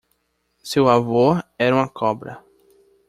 Seu avô era uma cobra.